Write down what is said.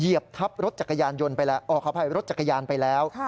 เหยียบทับรถจักรยานไปแล้ว